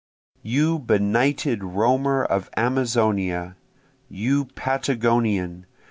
You benighted roamer of Amazonia! you Patagonian!